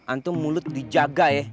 antum mulut dijaga ya